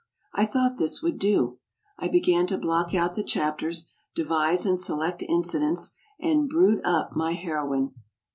I thought this would do. 1 began to block out the chapters, devise, and select incidents and "brood up" my heroine.